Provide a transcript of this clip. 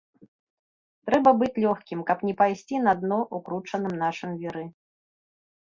Трэба быць лёгкім, каб не пайсці на дно ў кручаным нашым віры.